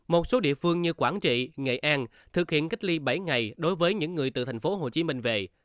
một số địa phương như quảng trị nghệ an thực hiện cách ly bảy ngày đối với những người từ thành phố hồ chí minh về